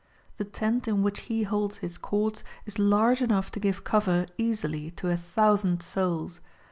The tent In which he holds his courts is large enough to give cover easily to a thousand souls.